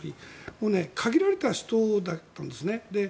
もう限られた人だったんですね。